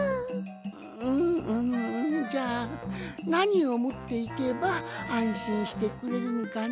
んんじゃあなにをもっていけばあんしんしてくれるんかの？